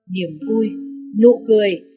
niềm vui nụ cười